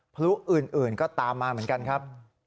พลุอื่นก็ตามมาเหมือนกันครับ